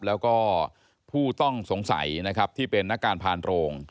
แล้วก็ผู้ต้องสงสัยนะครับที่เป็นนักการพานโรง